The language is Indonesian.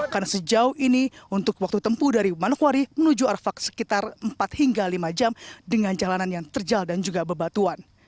karena sejauh ini untuk waktu tempuh dari manokwari menuju arfak sekitar empat hingga lima jam dengan jalanan yang terjal dan juga bebatuan